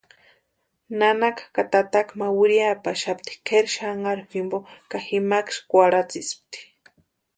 Nanaka ka tataka ma wiriapaxapti kʼeri xanharu jimpo ka jimkasï kwarhatsispti.